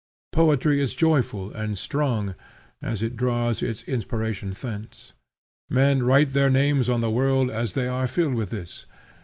Poetry is joyful and strong as it draws its inspiration thence. Men write their names on the world as they are filled with this.